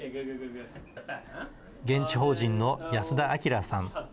現地法人の安田哲さん。